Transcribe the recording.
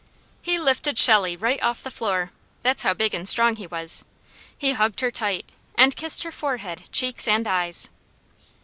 He lifted Shelley right off the floor that's how big and strong he was he hugged her tight, and kissed her forehead, cheeks, and eyes.